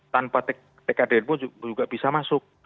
tanpa tkdn pun juga bisa masuk